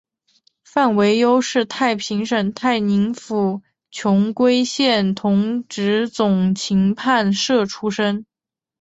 范惟悠是太平省太宁府琼瑰县同直总芹泮社出生。